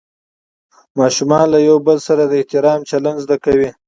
ماشومان له یو بل سره د احترام چلند زده کوي